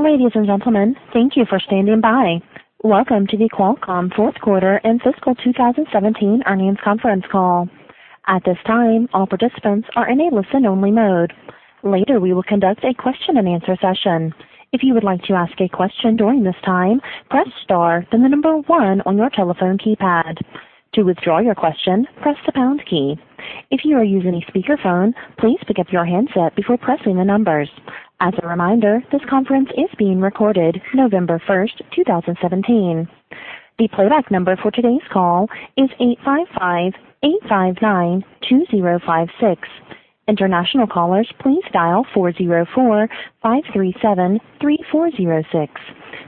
Ladies and gentlemen, thank you for standing by. Welcome to the Qualcomm fourth quarter and fiscal 2017 earnings conference call. At this time, all participants are in a listen-only mode. Later, we will conduct a question-and-answer session. If you would like to ask a question during this time, press star then the number one on your telephone keypad. To withdraw your question, press the pound key. If you are using a speakerphone, please pick up your handset before pressing the numbers. As a reminder, this conference is being recorded November 1st, 2017. The playback number for today's call is 855-859-2056. International callers, please dial 404-537-3406.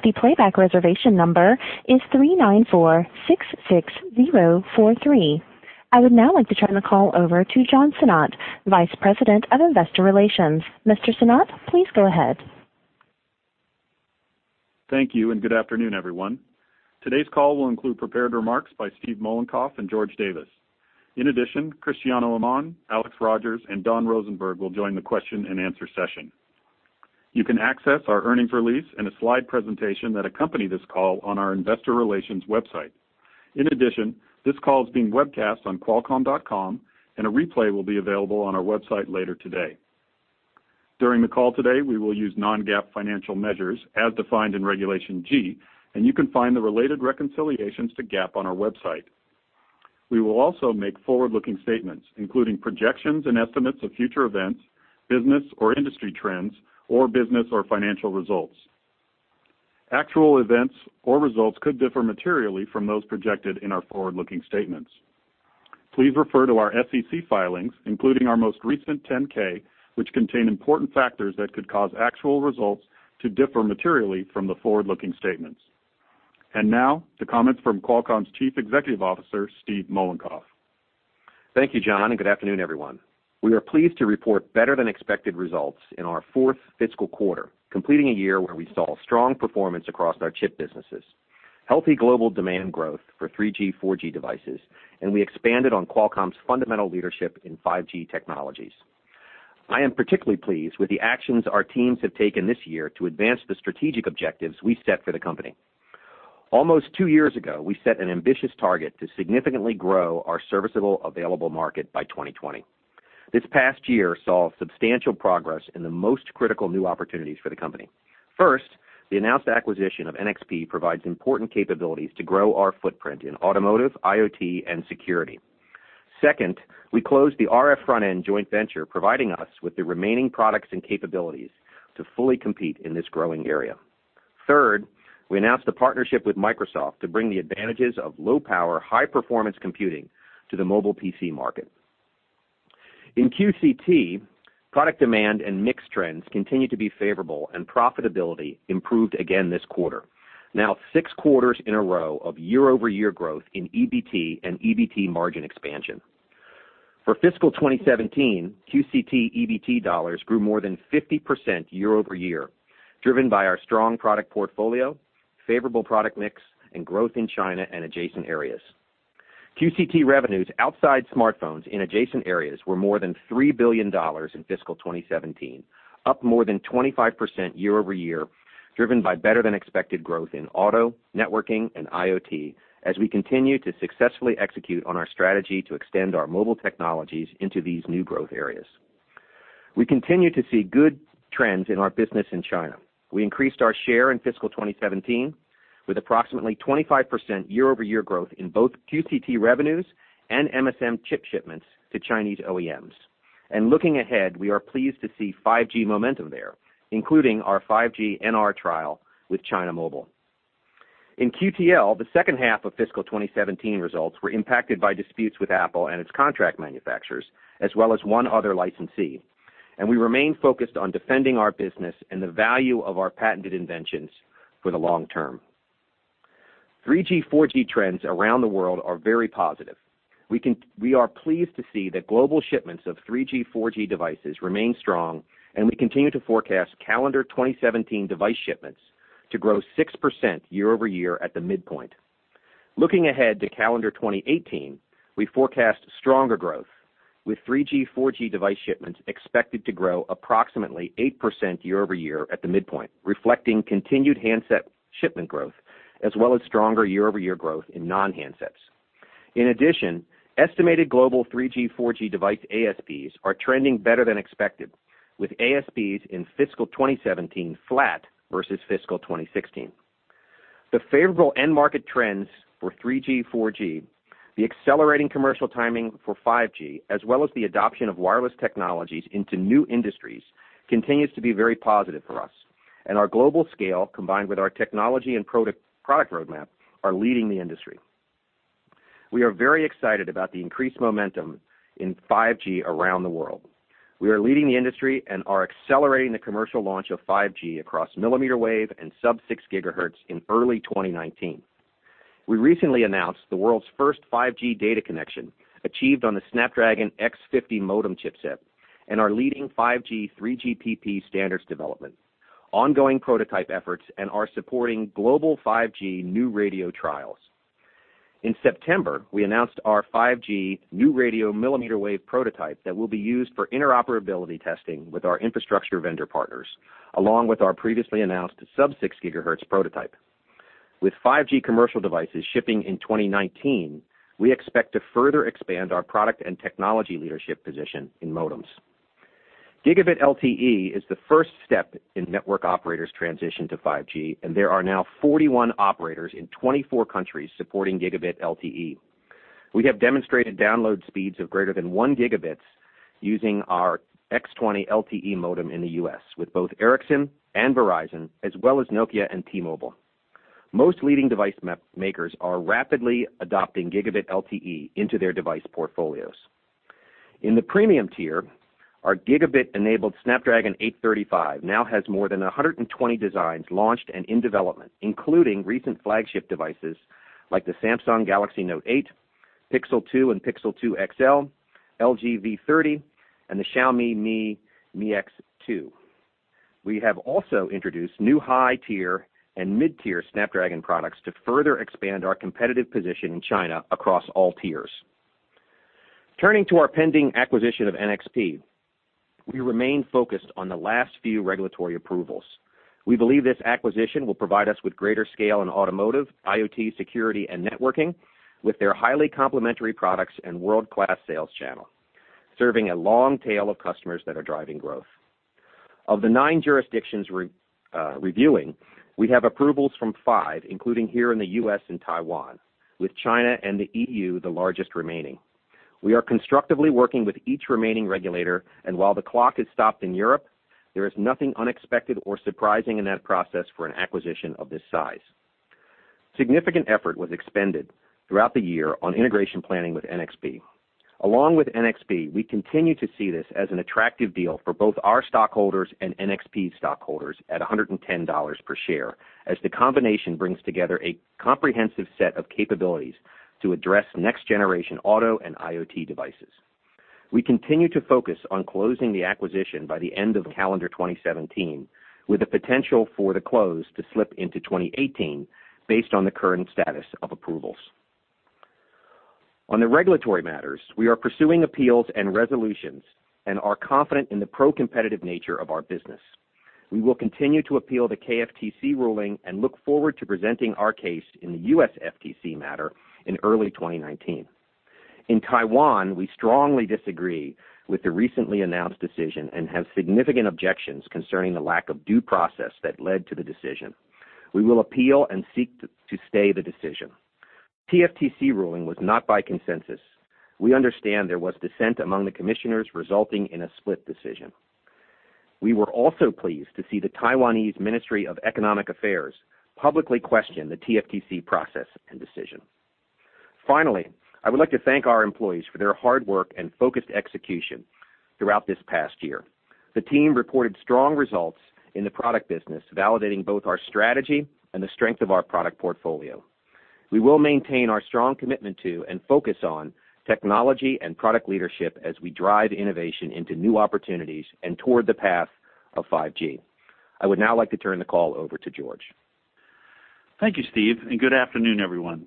The playback reservation number is 394-66043. I would now like to turn the call over to John Sinnott, Vice President of Investor Relations. Mr. Sinnott, please go ahead. Thank you. Good afternoon, everyone. Today's call will include prepared remarks by Steve Mollenkopf and George Davis. In addition, Cristiano Amon, Alex Rogers, and Don Rosenberg will join the question-and-answer session. You can access our earnings release and a slide presentation that accompany this call on our investor relations website. In addition, this call is being webcast on qualcomm.com, and a replay will be available on our website later today. During the call today, we will use non-GAAP financial measures as defined in Regulation G, and you can find the related reconciliations to GAAP on our website. We will also make forward-looking statements, including projections and estimates of future events, business or industry trends, or business or financial results. Actual events or results could differ materially from those projected in our forward-looking statements. Please refer to our SEC filings, including our most recent 10-K, which contain important factors that could cause actual results to differ materially from the forward-looking statements. Now, to comments from Qualcomm's Chief Executive Officer, Steve Mollenkopf. Thank you, John. Good afternoon, everyone. We are pleased to report better-than-expected results in our fourth fiscal quarter, completing a year where we saw strong performance across our chip businesses, healthy global demand growth for 3G/4G devices, and we expanded on Qualcomm's fundamental leadership in 5G technologies. I am particularly pleased with the actions our teams have taken this year to advance the strategic objectives we set for the company. Almost two years ago, we set an ambitious target to significantly grow our serviceable available market by 2020. This past year saw substantial progress in the most critical new opportunities for the company. First, the announced acquisition of NXP provides important capabilities to grow our footprint in automotive, IoT, and security. Second, we closed the RF front-end joint venture, providing us with the remaining products and capabilities to fully compete in this growing area. Third, we announced a partnership with Microsoft to bring the advantages of low-power, high-performance computing to the mobile PC market. In QCT, product demand and mix trends continued to be favorable and profitability improved again this quarter. Now six quarters in a row of year-over-year growth in EBT and EBT margin expansion. For fiscal 2017, QCT EBT dollars grew more than 50% year-over-year, driven by our strong product portfolio, favorable product mix, and growth in China and adjacent areas. QCT revenues outside smartphones in adjacent areas were more than $3 billion in fiscal 2017, up more than 25% year-over-year, driven by better-than-expected growth in auto, networking, and IoT, as we continue to successfully execute on our strategy to extend our mobile technologies into these new growth areas. We continue to see good trends in our business in China. We increased our share in fiscal 2017, with approximately 25% year-over-year growth in both QCT revenues and MSM chip shipments to Chinese OEMs. Looking ahead, we are pleased to see 5G momentum there, including our 5G NR trial with China Mobile. In QTL, the second half of fiscal 2017 results were impacted by disputes with Apple and its contract manufacturers, as well as one other licensee, and we remain focused on defending our business and the value of our patented inventions for the long term. 3G/4G trends around the world are very positive. We are pleased to see that global shipments of 3G/4G devices remain strong, and we continue to forecast calendar 2017 device shipments to grow 6% year-over-year at the midpoint. Looking ahead to calendar 2018, we forecast stronger growth, with 3G/4G device shipments expected to grow approximately 8% year-over-year at the midpoint, reflecting continued handset shipment growth, as well as stronger year-over-year growth in non-handsets. In addition, estimated global 3G/4G device ASPs are trending better than expected, with ASPs in fiscal 2017 flat versus fiscal 2016. The favorable end market trends for 3G/4G, the accelerating commercial timing for 5G, as well as the adoption of wireless technologies into new industries continues to be very positive for us, and our global scale, combined with our technology and product roadmap, are leading the industry. We are very excited about the increased momentum in 5G around the world. We are leading the industry and are accelerating the commercial launch of 5G across millimeter wave and sub-6 gigahertz in early 2019. We recently announced the world's first 5G data connection, achieved on the Snapdragon X50 modem chipset, and are leading 5G/3GPP standards development, ongoing prototype efforts, and are supporting global 5G new radio trials. In September, we announced our 5G new radio millimeter wave prototype that will be used for interoperability testing with our infrastructure vendor partners, along with our previously announced sub-6 gigahertz prototype. With 5G commercial devices shipping in 2019, we expect to further expand our product and technology leadership position in modems. Gigabit LTE is the first step in network operators' transition to 5G, and there are now 41 operators in 24 countries supporting Gigabit LTE. We have demonstrated download speeds of greater than one gigabits using our X20 LTE modem in the U.S. with both Ericsson and Verizon, as well as Nokia and T-Mobile. Most leading device makers are rapidly adopting Gigabit LTE into their device portfolios. In the premium tier, our Gigabit-enabled Snapdragon 835 now has more than 120 designs launched and in development, including recent flagship devices like the Samsung Galaxy Note8, Pixel 2 and Pixel 2 XL, LG V30, and the Xiaomi Mi Mix 2. We have also introduced new high-tier and mid-tier Snapdragon products to further expand our competitive position in China across all tiers. Turning to our pending acquisition of NXP, we remain focused on the last few regulatory approvals. We believe this acquisition will provide us with greater scale in automotive, IoT security, and networking with their highly complementary products and world-class sales channel, serving a long tail of customers that are driving growth. Of the nine jurisdictions we're reviewing, we have approvals from five, including here in the U.S. and Taiwan, with China and the EU the largest remaining. We are constructively working with each remaining regulator. While the clock is stopped in Europe, there is nothing unexpected or surprising in that process for an acquisition of this size. Significant effort was expended throughout the year on integration planning with NXP. Along with NXP, we continue to see this as an attractive deal for both our stockholders and NXP stockholders at $110 per share, as the combination brings together a comprehensive set of capabilities to address next-generation auto and IoT devices. We continue to focus on closing the acquisition by the end of calendar 2017, with the potential for the close to slip into 2018 based on the current status of approvals. On the regulatory matters, we are pursuing appeals and resolutions and are confident in the pro-competitive nature of our business. We will continue to appeal the KFTC ruling and look forward to presenting our case in the U.S. FTC matter in early 2019. In Taiwan, we strongly disagree with the recently announced decision and have significant objections concerning the lack of due process that led to the decision. We will appeal and seek to stay the decision. TFTC ruling was not by consensus. We understand there was dissent among the commissioners, resulting in a split decision. We were also pleased to see the Taiwanese Ministry of Economic Affairs publicly question the TFTC process and decision. Finally, I would like to thank our employees for their hard work and focused execution throughout this past year. The team reported strong results in the product business, validating both our strategy and the strength of our product portfolio. We will maintain our strong commitment to and focus on technology and product leadership as we drive innovation into new opportunities and toward the path of 5G. I would now like to turn the call over to George. Thank you, Steve, and good afternoon, everyone.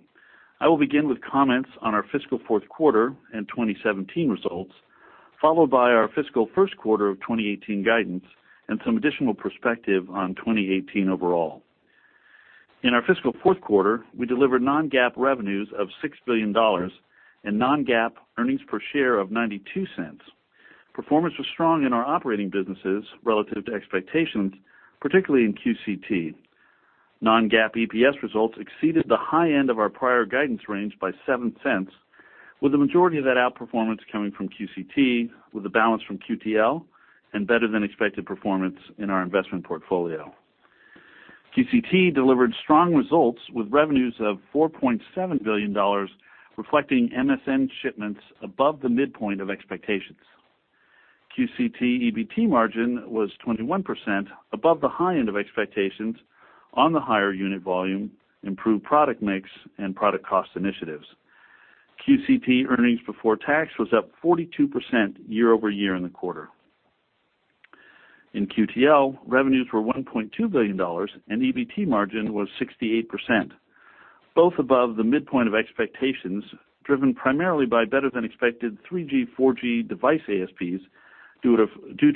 I will begin with comments on our fiscal fourth quarter and 2017 results, followed by our fiscal first quarter of 2018 guidance and some additional perspective on 2018 overall. In our fiscal fourth quarter, we delivered non-GAAP revenues of $6 billion and non-GAAP earnings per share of $0.92. Performance was strong in our operating businesses relative to expectations, particularly in QCT. Non-GAAP EPS results exceeded the high end of our prior guidance range by $0.07, with the majority of that outperformance coming from QCT, with the balance from QTL, and better than expected performance in our investment portfolio. QCT delivered strong results with revenues of $4.7 billion, reflecting MSM shipments above the midpoint of expectations. QCT EBT margin was 21%, above the high end of expectations on the higher unit volume, improved product mix, and product cost initiatives. QCT earnings before tax was up 42% year-over-year in the quarter. In QTL, revenues were $1.2 billion, and EBT margin was 68%, both above the midpoint of expectations, driven primarily by better-than-expected 3G/4G device ASPs due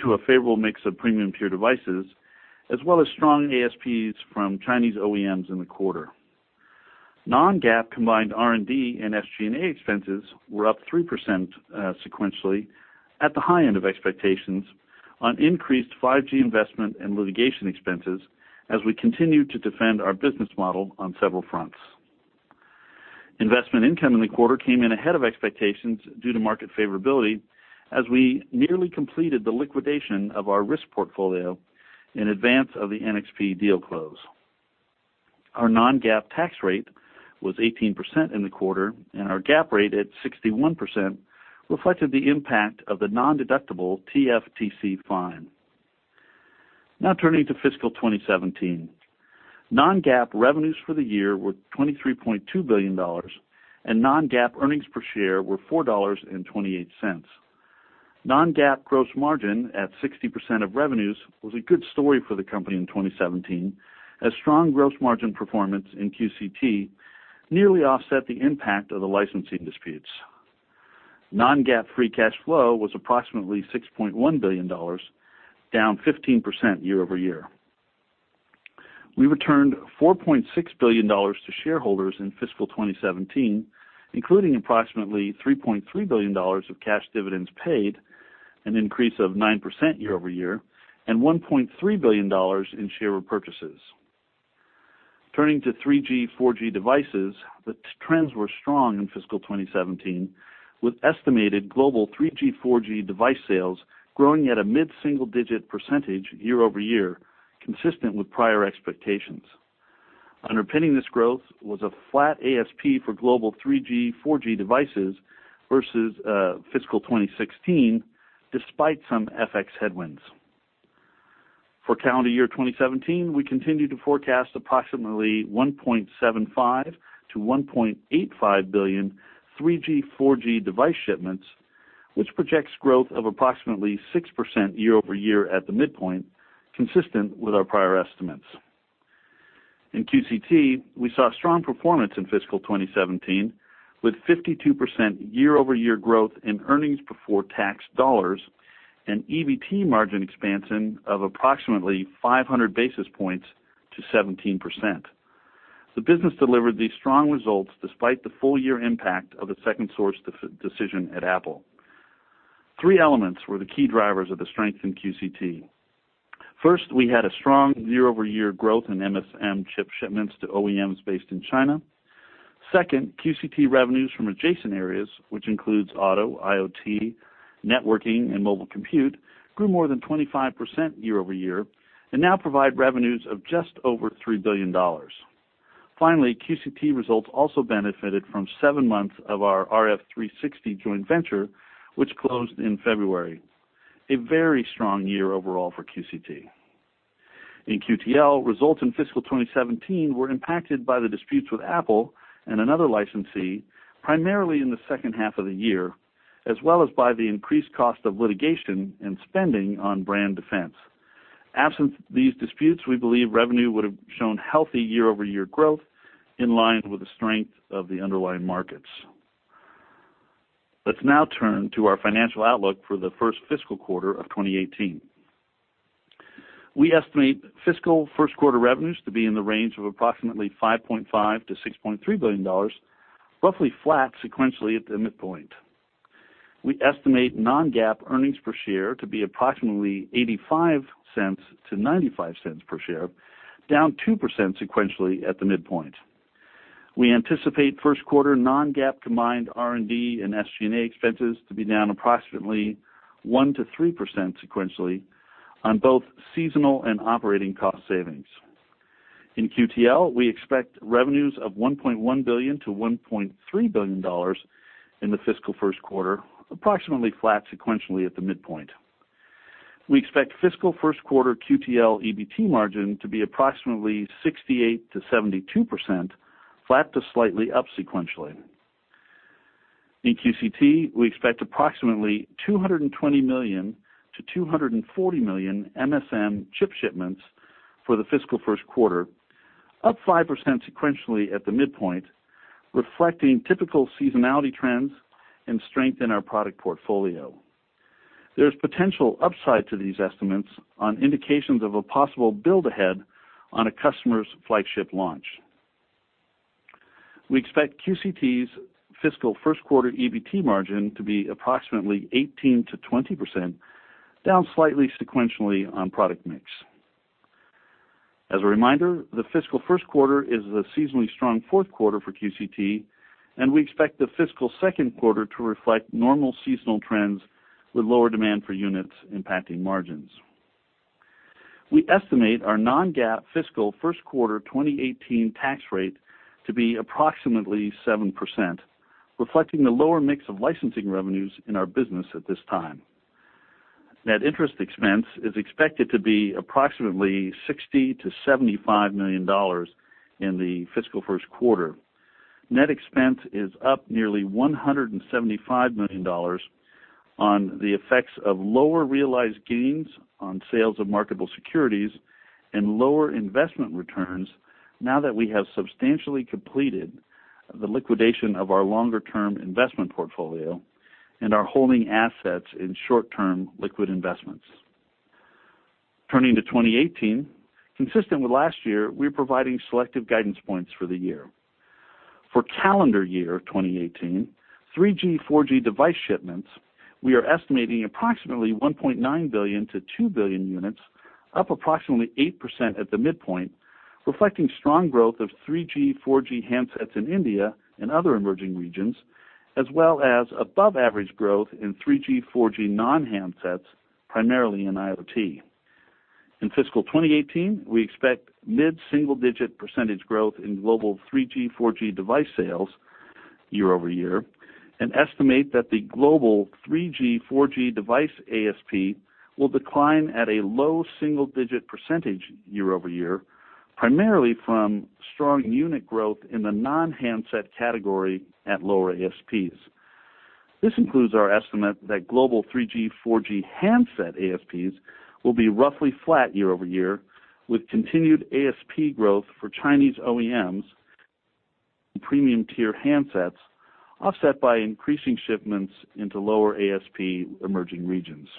to a favorable mix of premium tier devices as well as strong ASPs from Chinese OEMs in the quarter. Non-GAAP combined R&D and SG&A expenses were up 3% sequentially at the high end of expectations on increased 5G investment and litigation expenses as we continue to defend our business model on several fronts. Investment income in the quarter came in ahead of expectations due to market favorability as we nearly completed the liquidation of our risk portfolio in advance of the NXP deal close. Our non-GAAP tax rate was 18% in the quarter, and our GAAP rate at 61% reflected the impact of the non-deductible TFTC fine. Now turning to fiscal 2017. Non-GAAP revenues for the year were $23.2 billion, and non-GAAP earnings per share were $4.28. Non-GAAP gross margin at 60% of revenues was a good story for the company in 2017, as strong gross margin performance in QCT nearly offset the impact of the licensing disputes. Non-GAAP free cash flow was approximately $6.1 billion, down 15% year-over-year. We returned $4.6 billion to shareholders in fiscal 2017, including approximately $3.3 billion of cash dividends paid, an increase of 9% year-over-year, and $1.3 billion in share repurchases. Turning to 3G, 4G devices, the trends were strong in fiscal 2017, with estimated global 3G, 4G device sales growing at a mid-single digit percentage year-over-year, consistent with prior expectations. Underpinning this growth was a flat ASP for global 3G, 4G devices versus fiscal 2016, despite some FX headwinds. For calendar year 2017, we continue to forecast approximately 1.75 billion-1.85 billion 3G, 4G device shipments, which projects growth of approximately 6% year-over-year at the midpoint, consistent with our prior estimates. In QCT, we saw strong performance in fiscal 2017, with 52% year-over-year growth in earnings before tax dollars and EBT margin expansion of approximately 500 basis points to 17%. The business delivered these strong results despite the full year impact of a second source decision at Apple. Three elements were the key drivers of the strength in QCT. First, we had a strong year-over-year growth in MSM chip shipments to OEMs based in China. Second, QCT revenues from adjacent areas, which includes auto, IoT, networking, and mobile compute, grew more than 25% year-over-year and now provide revenues of just over $3 billion. QCT results also benefited from seven months of our RF360 joint venture, which closed in February. A very strong year overall for QCT. In QTL, results in fiscal 2017 were impacted by the disputes with Apple and another licensee, primarily in the second half of the year, as well as by the increased cost of litigation and spending on brand defense. Absent these disputes, we believe revenue would have shown healthy year-over-year growth in line with the strength of the underlying markets. Let's now turn to our financial outlook for the first fiscal quarter of 2018. We estimate fiscal first quarter revenues to be in the range of approximately $5.5 billion-$6.3 billion, roughly flat sequentially at the midpoint. We estimate non-GAAP earnings per share to be approximately $0.85-$0.95 per share, down 2% sequentially at the midpoint. We anticipate first quarter non-GAAP combined R&D and SG&A expenses to be down approximately 1%-3% sequentially on both seasonal and operating cost savings. In QTL, we expect revenues of $1.1 billion-$1.3 billion in the fiscal first quarter, approximately flat sequentially at the midpoint. We expect fiscal first quarter QTL EBT margin to be approximately 68%-72%, flat to slightly up sequentially. In QCT, we expect approximately 220 million-240 million MSM chip shipments for the fiscal first quarter, up 5% sequentially at the midpoint, reflecting typical seasonality trends and strength in our product portfolio. There's potential upside to these estimates on indications of a possible build ahead on a customer's flagship launch. We expect QCT's fiscal first quarter EBT margin to be approximately 18%-20%, down slightly sequentially on product mix. As a reminder, the fiscal first quarter is the seasonally strong fourth quarter for QCT, and we expect the fiscal second quarter to reflect normal seasonal trends with lower demand for units impacting margins. We estimate our non-GAAP fiscal first quarter 2018 tax rate to be approximately 7%, reflecting the lower mix of licensing revenues in our business at this time. Net interest expense is expected to be approximately $60 million-$75 million in the fiscal first quarter. Net expense is up nearly $175 million on the effects of lower realized gains on sales of marketable securities and lower investment returns now that we have substantially completed the liquidation of our longer-term investment portfolio and are holding assets in short-term liquid investments. Turning to 2018, consistent with last year, we're providing selective guidance points for the year. For calendar year 2018, 3G, 4G device shipments, we are estimating approximately 1.9 billion-2 billion units, up approximately 8% at the midpoint, reflecting strong growth of 3G, 4G handsets in India and other emerging regions, as well as above average growth in 3G, 4G non-handsets, primarily in IoT. In fiscal 2018, we expect mid-single digit percentage growth in global 3G, 4G device sales year-over-year and estimate that the global 3G, 4G device ASP will decline at a low single digit percentage year-over-year primarily from strong unit growth in the non-handset category at lower ASPs. This includes our estimate that global 3G, 4G handset ASPs will be roughly flat year-over-year, with continued ASP growth for Chinese OEMs and premium-tier handsets offset by increasing shipments into lower ASP emerging regions.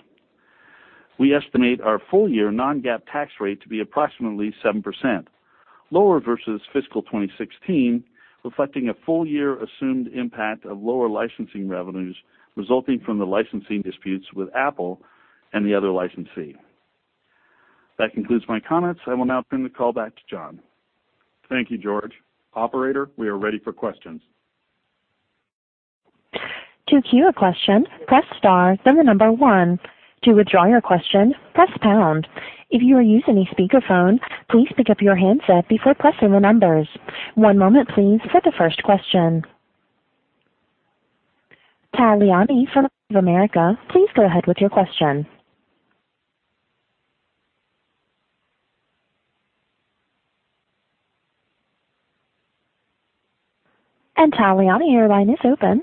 We estimate our full-year non-GAAP tax rate to be approximately 7%, lower versus fiscal 2016, reflecting a full-year assumed impact of lower licensing revenues resulting from the licensing disputes with Apple and the other licensee. That concludes my comments. I will now turn the call back to John. Thank you, George. Operator, we are ready for questions. To queue a question, press star, then the number one. To withdraw your question, press pound. If you are using a speakerphone, please pick up your handset before pressing the numbers. One moment please, for the first question. Tal Liani from Bank of America, please go ahead with your question. Tal Liani, your line is open.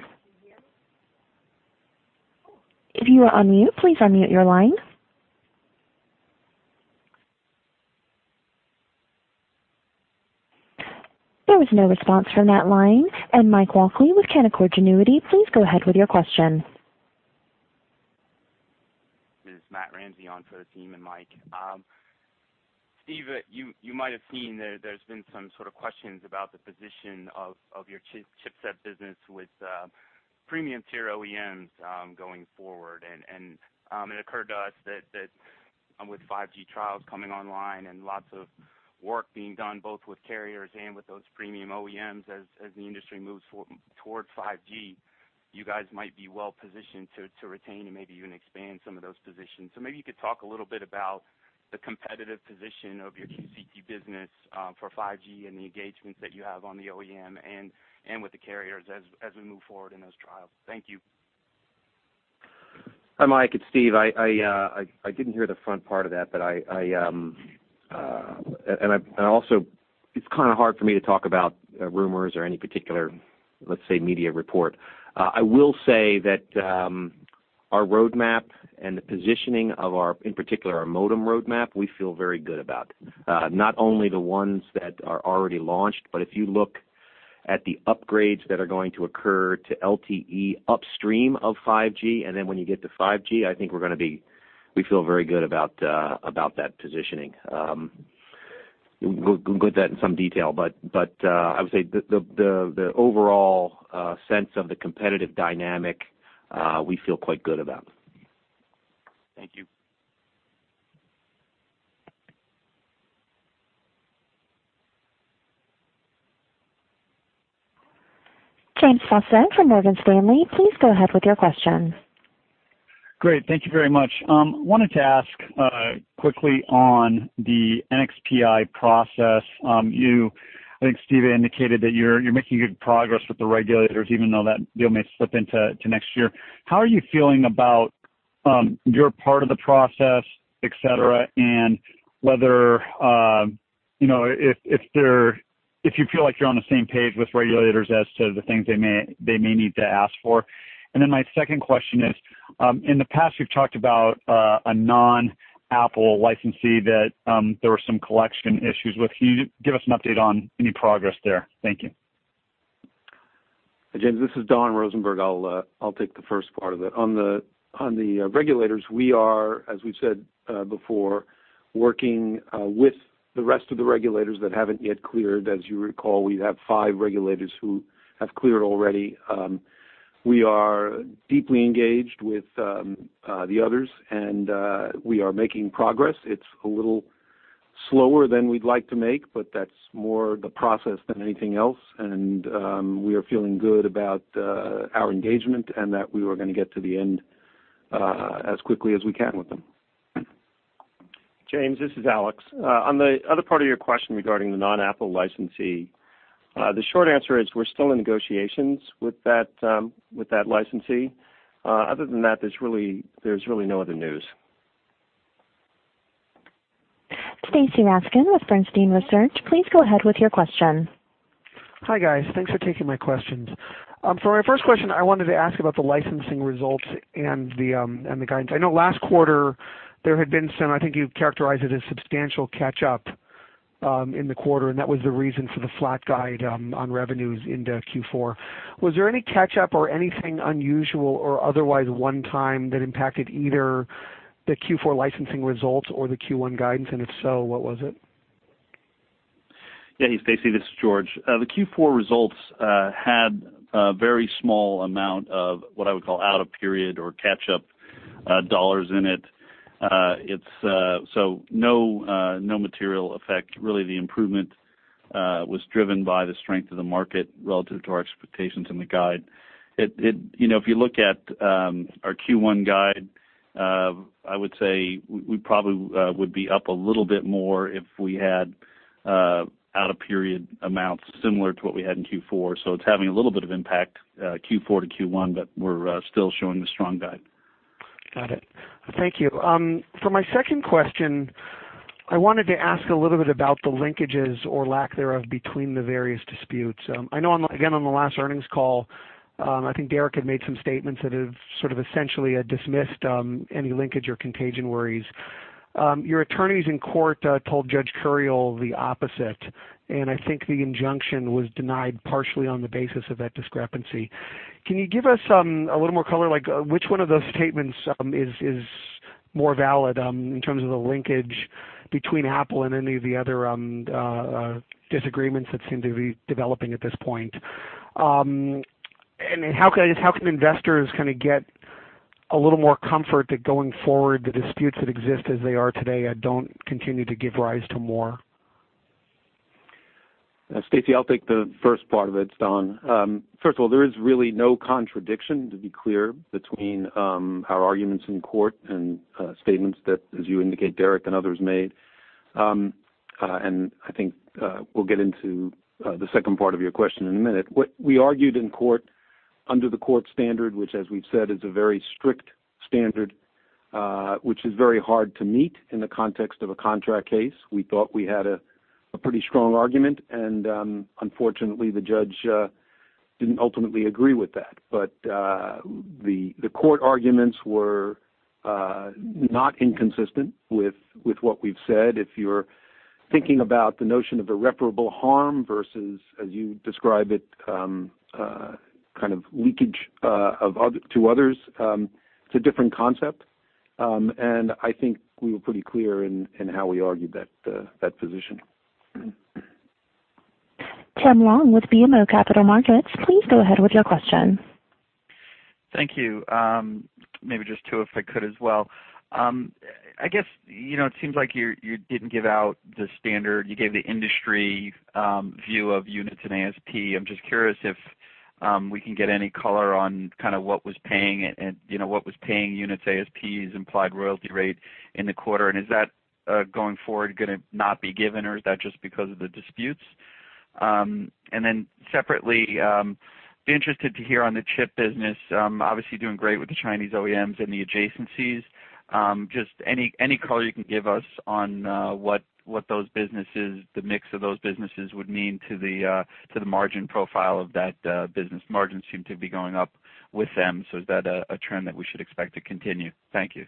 If you are on mute, please unmute your line. There was no response from that line. Mike Walkley with Canaccord Genuity, please go ahead with your question. This is Matthew Ramsay on for the team and Mike. Steve, you might have seen there's been some sort of questions about the position of your chipset business with premium-tier OEMs going forward, and it occurred to us that with 5G trials coming online and lots of work being done both with carriers and with those premium OEMs as the industry moves toward 5G, you guys might be well-positioned to retain and maybe even expand some of those positions. Maybe you could talk a little bit about the competitive position of your QCT business for 5G and the engagements that you have on the OEM and with the carriers as we move forward in those trials. Thank you. Hi Mike, it's Steve. I didn't hear the front part of that. Also, it's kind of hard for me to talk about rumors or any particular, let's say, media report. I will say that our roadmap and the positioning of our, in particular, our modem roadmap, we feel very good about. Not only the ones that are already launched, if you look at the upgrades that are going to occur to LTE upstream of 5G, then when you get to 5G, I think we feel very good about that positioning. We'll go into that in some detail. I would say the overall sense of the competitive dynamic, we feel quite good about. Thank you. James Faucette from Morgan Stanley, please go ahead with your question. Great. Thank you very much. Wanted to ask quickly on the NXPI process. I think Steve indicated that you're making good progress with the regulators, even though that deal may slip into next year. How are you feeling about your part of the process, et cetera, if you feel like you're on the same page with regulators as to the things they may need to ask for? Then my second question is, in the past you've talked about a non-Apple licensee that there were some collection issues with. Can you give us an update on any progress there? Thank you. James, this is Don Rosenberg. I'll take the first part of it. On the regulators, we are, as we've said before, working with the rest of the regulators that haven't yet cleared. As you recall, we have five regulators who have cleared already. We are deeply engaged with the others, and we are making progress. It's a little slower than we'd like to make, but that's more the process than anything else, and we are feeling good about our engagement and that we are going to get to the end as quickly as we can with them. James, this is Alex. On the other part of your question regarding the non-Apple licensee, the short answer is we're still in negotiations with that licensee. Other than that, there's really no other news. Stacy Rasgon with Bernstein Research, please go ahead with your question. Hi, guys. Thanks for taking my questions. For my first question, I wanted to ask about the licensing results and the guidance. I know last quarter there had been some, I think you characterized it as substantial catch-up in the quarter, and that was the reason for the flat guide on revenues into Q4. Was there any catch-up or anything unusual or otherwise one time that impacted either the Q4 licensing results or the Q1 guidance, and if so, what was it? Yeah, hey Stacy, this is George. The Q4 results had a very small amount of what I would call out-of-period or catch-up dollars in it. No material effect, really the improvement was driven by the strength of the market relative to our expectations in the guide. If you look at our Q1 guide, I would say we probably would be up a little bit more if we had out-of-period amounts similar to what we had in Q4. It's having a little bit of impact Q4 to Q1, but we're still showing the strong guide. Got it. Thank you. For my second question, I wanted to ask a little bit about the linkages or lack thereof between the various disputes. I know, again, on the last earnings call, I think Derek had made some statements that have sort of essentially dismissed any linkage or contagion worries. Your attorneys in court told Judge Curiel the opposite, and I think the injunction was denied partially on the basis of that discrepancy. Can you give us a little more color, like which one of those statements is more valid in terms of the linkage between Apple and any of the other disagreements that seem to be developing at this point? How can investors get a little more comfort that going forward, the disputes that exist as they are today don't continue to give rise to more? Stacy, I'll take the first part of it, Don. First of all, there is really no contradiction, to be clear, between our arguments in court and statements that, as you indicate, Derek and others made. I think we'll get into the second part of your question in a minute. What we argued in court under the court standard, which as we've said, is a very strict standard, which is very hard to meet in the context of a contract case. We thought we had a pretty strong argument, unfortunately, the judge didn't ultimately agree with that. The court arguments were not inconsistent with what we've said. If you're thinking about the notion of irreparable harm versus, as you describe it, kind of leakage to others, it's a different concept. I think we were pretty clear in how we argued that position. Timothy Long with BMO Capital Markets, please go ahead with your question. Thank you. Maybe just two, if I could, as well. I guess it seems like you didn't give out the standard. You gave the industry view of units and ASP. I am just curious if we can get any color on what was paying units ASPs implied royalty rate in the quarter, and is that going forward going to not be given, or is that just because of the disputes? Separately, be interested to hear on the chip business, obviously doing great with the Chinese OEMs and the adjacencies. Just any color you can give us on what those businesses, the mix of those businesses would mean to the margin profile of that business. Margins seem to be going up with them. Is that a trend that we should expect to continue? Thank you.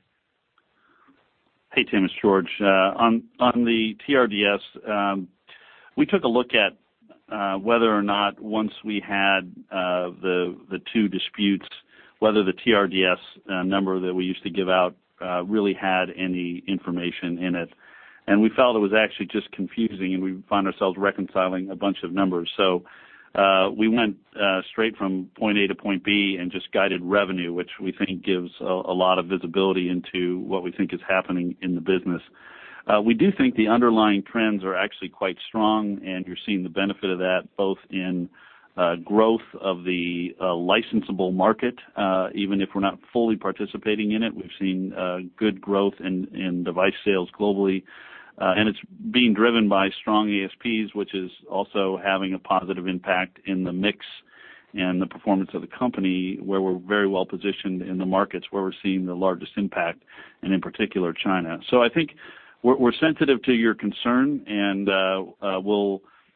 Hey, Tim, it's George. On the TRDS, we took a look at whether or not once we had the two disputes, whether the TRDS number that we used to give out really had any information in it. We felt it was actually just confusing, and we found ourselves reconciling a bunch of numbers. We went straight from point A to point B and just guided revenue, which we think gives a lot of visibility into what we think is happening in the business. We do think the underlying trends are actually quite strong, and you're seeing the benefit of that both in growth of the licensable market even if we're not fully participating in it. We've seen good growth in device sales globally, and it's being driven by strong ASPs, which is also having a positive impact in the mix and the performance of the company, where we're very well positioned in the markets where we're seeing the largest impact, and in particular, China. I think we're sensitive to your concern, and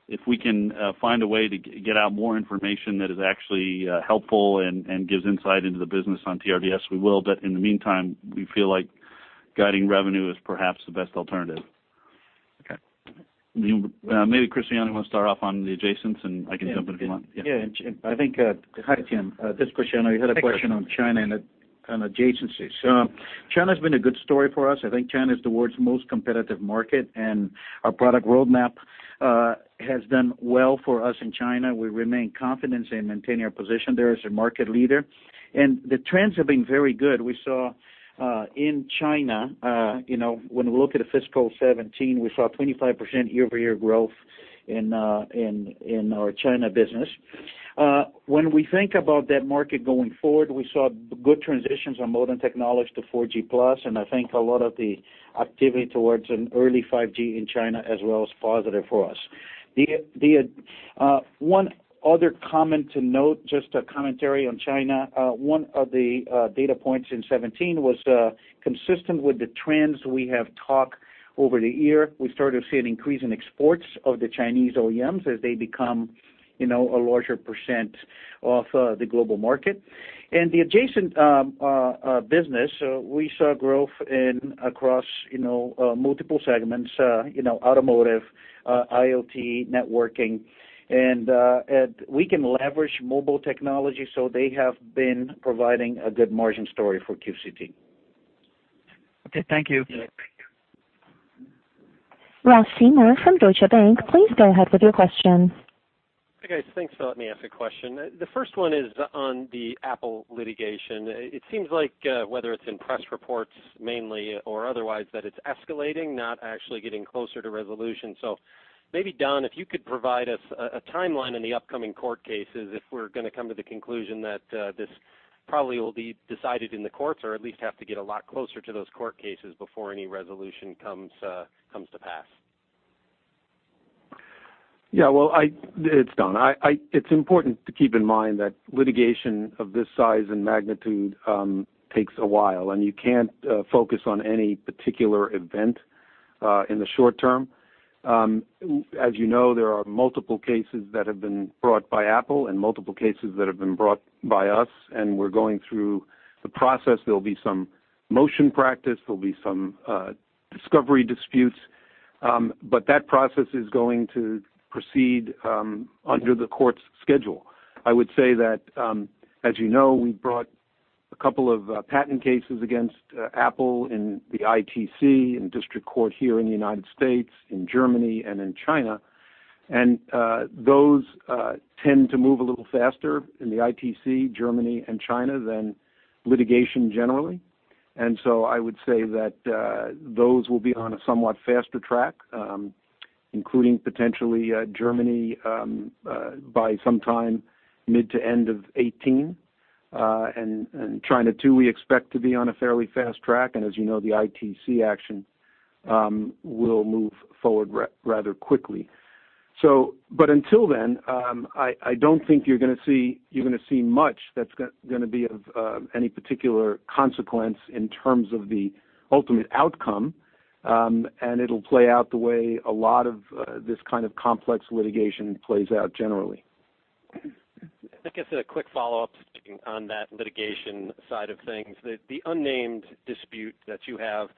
if we can find a way to get out more information that is actually helpful and gives insight into the business on TRDS, we will. In the meantime, we feel like guiding revenue is perhaps the best alternative. Okay. Maybe Cristiano wants to start off on the adjacents, and I can jump in if you want. Hi, Tim. This is Cristiano. You had a question on China and adjacencies. China's been a good story for us. I think China is the world's most competitive market, and our product roadmap has done well for us in China. We remain confident in maintaining our position there as a market leader. The trends have been very good. We saw in China, when we look at fiscal 2017, we saw 25% year-over-year growth in our China business. When we think about that market going forward, we saw good transitions on modern technology to 4G Plus, and I think a lot of the activity towards an early 5G in China as well is positive for us. One other comment to note, just a commentary on China. One of the data points in 2017 was consistent with the trends we have talked over the year. We started to see an increase in exports of the Chinese OEMs as they become a larger percent of the global market. In the adjacent business, we saw growth across multiple segments, automotive, IoT, networking, and we can leverage mobile technology, so they have been providing a good margin story for QCT. Thank you. You bet. Ross Seymore from Deutsche Bank, please go ahead with your question. Hey, guys. Thanks for letting me ask a question. The first one is on the Apple litigation. It seems like whether it's in press reports mainly or otherwise, that it's escalating, not actually getting closer to resolution. Maybe, Don, if you could provide us a timeline in the upcoming court cases, if we're going to come to the conclusion that this probably will be decided in the courts or at least have to get a lot closer to those court cases before any resolution comes to pass. Yeah. Well, it's Don. It's important to keep in mind that litigation of this size and magnitude takes a while, you can't focus on any particular event in the short term. As you know, there are multiple cases that have been brought by Apple and multiple cases that have been brought by us, we're going through the process. There'll be some motion practice, there'll be some discovery disputes. That process is going to proceed under the court's schedule. I would say that, as you know, we brought a couple of patent cases against Apple in the ITC, in district court here in the United States, in Germany, and in China. Those tend to move a little faster in the ITC, Germany, and China than litigation generally. I would say that those will be on a somewhat faster track, including potentially Germany by sometime mid to end of 2018. China too, we expect to be on a fairly fast track, and as you know, the ITC action will move forward rather quickly. Until then, I don't think you're going to see much that's going to be of any particular consequence in terms of the ultimate outcome. It'll play out the way a lot of this kind of complex litigation plays out generally. I guess a quick follow-up on that litigation side of things. The unnamed dispute that you have,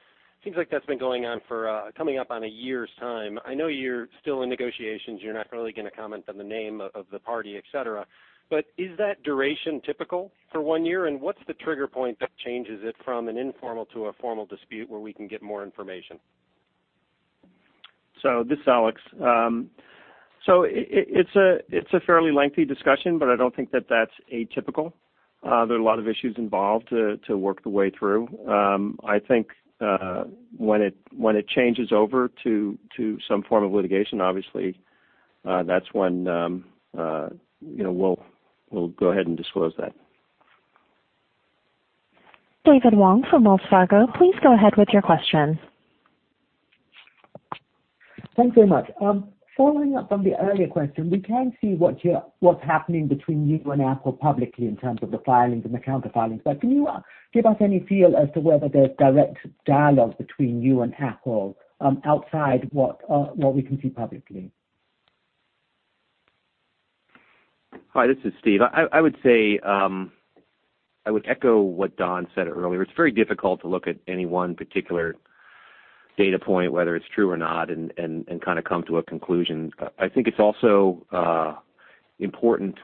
seems like that's been going on for coming up on a year's time. I know you're still in negotiations, you're not really going to comment on the name of the party, et cetera. Is that duration typical for one year? What's the trigger point that changes it from an informal to a formal dispute where we can get more information? This is Alex. It's a fairly lengthy discussion, but I don't think that that's atypical. There are a lot of issues involved to work the way through. I think, when it changes over to some form of litigation, obviously, that's when we'll go ahead and disclose that. David Wong from Wells Fargo, please go ahead with your question. Thanks very much. Following up on the earlier question, we can see what's happening between you and Apple publicly in terms of the filings and the counter filings. Can you give us any feel as to whether there's direct dialogue between you and Apple, outside what we can see publicly? Hi, this is Steve. I would echo what Don said earlier. It's very difficult to look at any one particular data point, whether it's true or not, and come to a conclusion. I think it's also important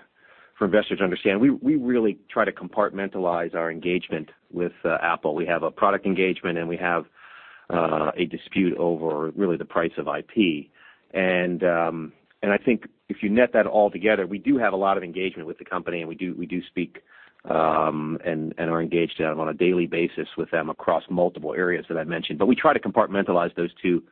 for investors to understand, we really try to compartmentalize our engagement with Apple. We have a product engagement, and we have a dispute over really the price of IP. I think if you net that all together, we do have a lot of engagement with the company, and we do speak, and are engaged on a daily basis with them across multiple areas that I mentioned. We try to compartmentalize those two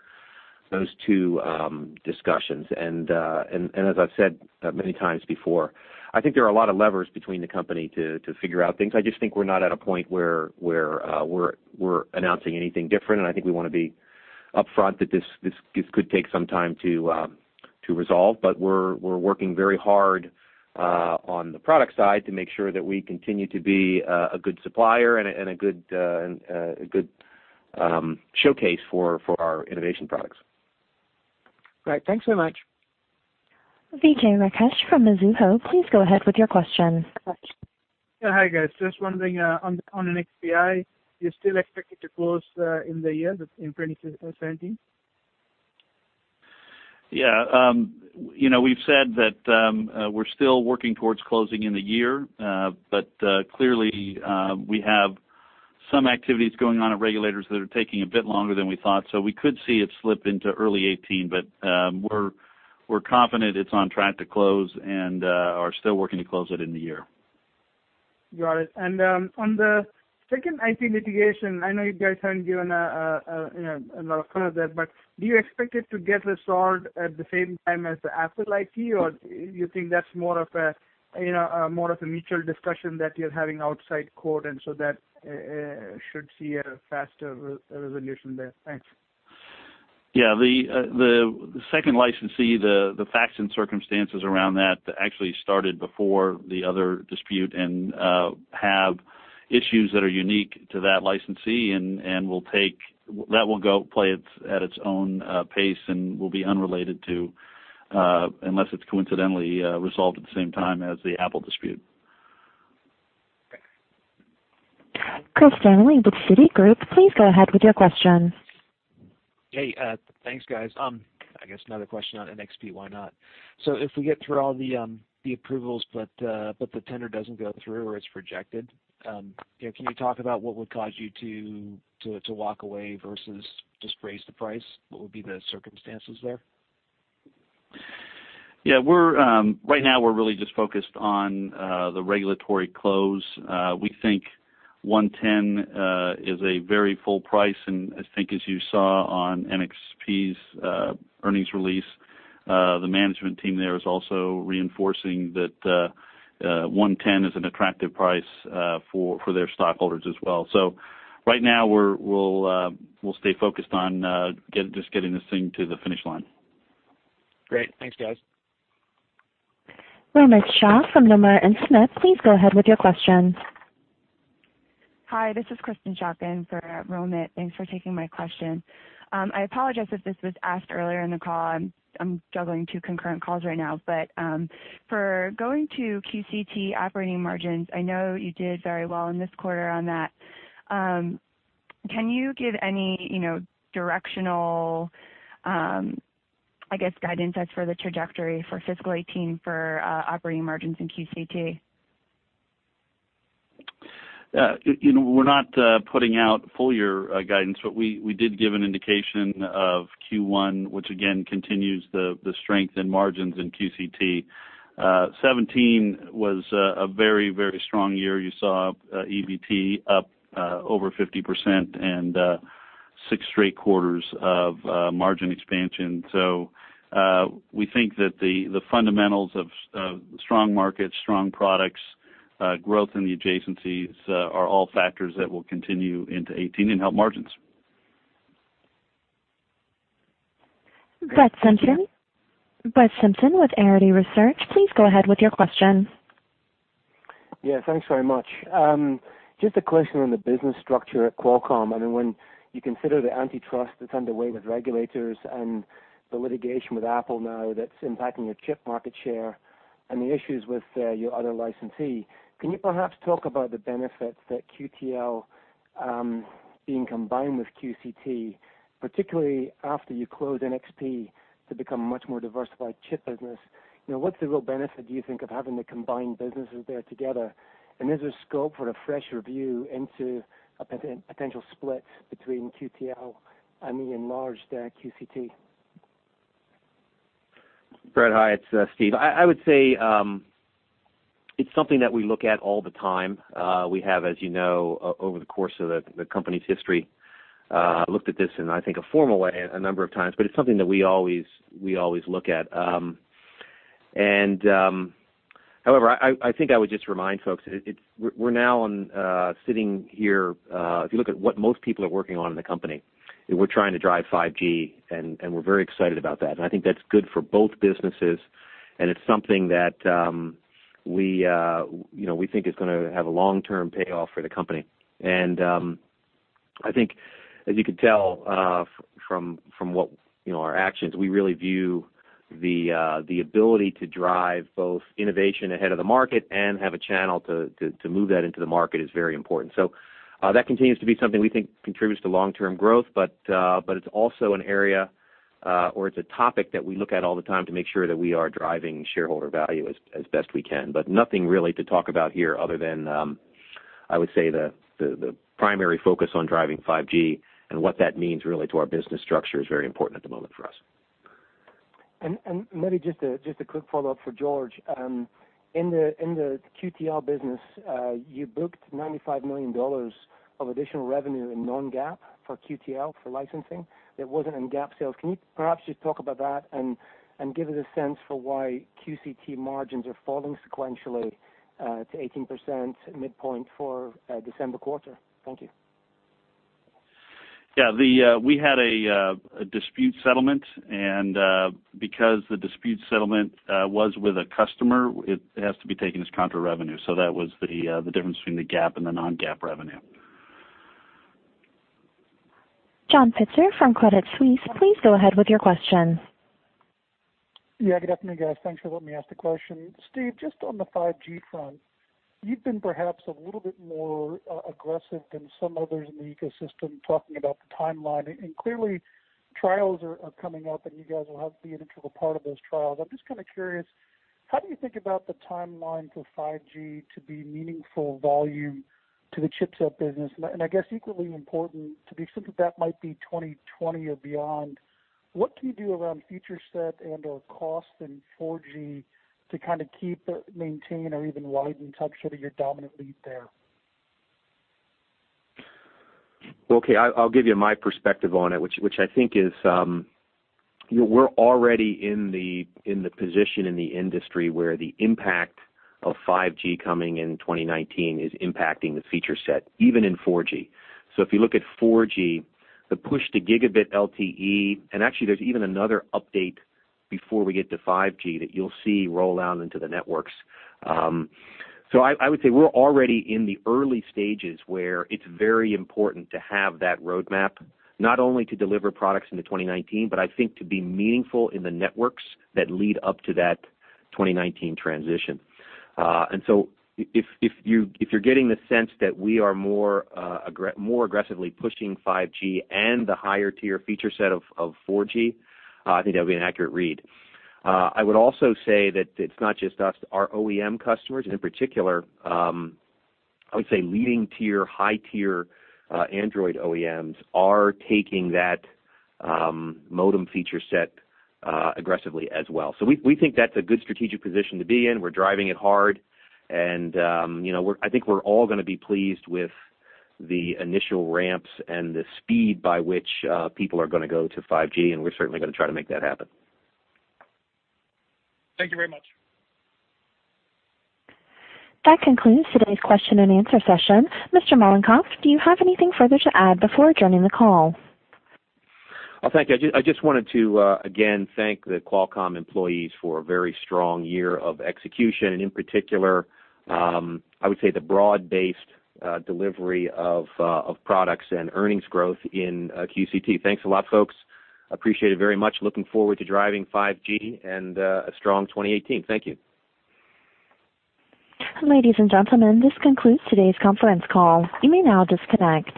discussions. As I've said many times before, I think there are a lot of levers between the company to figure out things. I just think we're not at a point where we're announcing anything different, and I think we want to be upfront that this could take some time to resolve. We're working very hard on the product side to make sure that we continue to be a good supplier and a good showcase for our innovation products. Great. Thanks so much. Vijay Rakesh from Mizuho, please go ahead with your question. Yeah. Hi, guys. Just one thing on NXP. You still expect it to close in the year, in 2017? Yeah. We've said that we're still working towards closing in the year. Clearly, we have some activities going on at regulators that are taking a bit longer than we thought. We could see it slip into early 2018. We're confident it's on track to close and are still working to close it in the year. Got it. On the second IP litigation, I know you guys haven't given a lot of color there, but do you expect it to get resolved at the same time as the Apple IP, or do you think that's more of a mutual discussion that you're having outside court, and so that should see a faster resolution there? Thanks. Yeah. The second licensee, the facts and circumstances around that actually started before the other dispute and have issues that are unique to that licensee, and that will go play at its own pace and will be unrelated to, unless it's coincidentally resolved at the same time as the Apple dispute. Thanks. Chris Caso with Citigroup, please go ahead with your question. Hey, thanks, guys. I guess another question on NXP. Why not? If we get through all the approvals, but the tender doesn't go through or it's rejected, can you talk about what would cause you to walk away versus just raise the price? What would be the circumstances there? Yeah. Right now, we're really just focused on the regulatory close. We think $110 is a very full price, and I think as you saw on NXP's earnings release, the management team there is also reinforcing that $110 is an attractive price for their stockholders as well. Right now, we'll stay focused on just getting this thing to the finish line. Great. Thanks, guys. Romit Shah from Nomura Instinet, please go ahead with your questions. Hi, this is Krysten Sciacca for Romit. Thanks for taking my question. I apologize if this was asked earlier in the call. I'm juggling two concurrent calls right now, but for going to QCT operating margins, I know you did very well in this quarter on that. Can you give any directional, I guess, guidance as for the trajectory for fiscal 2018 for operating margins in QCT? We're not putting out full year guidance, but we did give an indication of Q1, which again continues the strength in margins in QCT. 2017 was a very strong year. You saw EBT up over 50% and six straight quarters of margin expansion. We think that the fundamentals of strong markets, strong products, growth in the adjacencies are all factors that will continue into 2018 and help margins. Brett Simpson with Arete Research, please go ahead with your question. Yeah, thanks very much. Just a question on the business structure at Qualcomm. When you consider the antitrust that's underway with regulators and the litigation with Apple now that's impacting your chip market share and the issues with your other licensee, can you perhaps talk about the benefits that QTL being combined with QCT, particularly after you close NXP to become a much more diversified chip business? What's the real benefit, do you think, of having the combined businesses there together? Is there scope for a fresh review into a potential split between QTL and the enlarged QCT? Brett, hi. It's Steve. I would say it's something that we look at all the time. We have, as you know, over the course of the company's history, looked at this in, I think, a formal way a number of times, but it's something that we always look at. However, I think I would just remind folks, if you look at what most people are working on in the company, we're trying to drive 5G. We're very excited about that. I think that's good for both businesses. It's something that we think is going to have a long-term payoff for the company. I think, as you can tell from our actions, we really view the ability to drive both innovation ahead of the market and have a channel to move that into the market is very important. That continues to be something we think contributes to long-term growth, but it's also an area, or it's a topic that we look at all the time to make sure that we are driving shareholder value as best we can. Nothing really to talk about here other than, I would say the primary focus on driving 5G and what that means really to our business structure is very important at the moment for us. Maybe just a quick follow-up for George. In the QTL business, you booked $95 million of additional revenue in non-GAAP for QTL for licensing that wasn't in GAAP sales. Can you perhaps just talk about that and give us a sense for why QCT margins are falling sequentially to 18% midpoint for December quarter? Thank you. Yeah. We had a dispute settlement, because the dispute settlement was with a customer, it has to be taken as contra revenue. That was the difference between the GAAP and the non-GAAP revenue. John Pitzer from Credit Suisse, please go ahead with your question. Yeah, good afternoon, guys. Thanks for letting me ask the question. Steve, just on the 5G front, you've been perhaps a little bit more aggressive than some others in the ecosystem, talking about the timeline, clearly trials are coming up and you guys will have the integral part of those trials. I'm just kind of curious, how do you think about the timeline for 5G to be meaningful volume to the chipset business? I guess equally important, to the extent that that might be 2020 or beyond, what can you do around feature set and/or cost and 4G to kind of keep, maintain, or even widen touch sort of your dominant lead there? Okay. I'll give you my perspective on it, which I think is, we're already in the position in the industry where the impact of 5G coming in 2019 is impacting the feature set, even in 4G. If you look at 4G, the push to Gigabit LTE, actually there's even another update before we get to 5G that you'll see roll out into the networks. I would say we're already in the early stages where it's very important to have that roadmap, not only to deliver products into 2019, but I think to be meaningful in the networks that lead up to that 2019 transition. If you're getting the sense that we are more aggressively pushing 5G and the higher tier feature set of 4G, I think that would be an accurate read. I would also say that it's not just us. Our OEM customers in particular, I would say leading tier, high-tier Android OEMs are taking that modem feature set aggressively as well. We think that's a good strategic position to be in. We're driving it hard and I think we're all gonna be pleased with the initial ramps and the speed by which people are gonna go to 5G, and we're certainly gonna try to make that happen. Thank you very much. That concludes today's question and answer session. Mr. Mollenkopf, do you have anything further to add before adjourning the call? Thank you. I just wanted to, again, thank the Qualcomm employees for a very strong year of execution, and in particular, I would say the broad-based delivery of products and earnings growth in QCT. Thanks a lot, folks. Appreciate it very much. Looking forward to driving 5G and a strong 2018. Thank you. Ladies and gentlemen, this concludes today's conference call. You may now disconnect.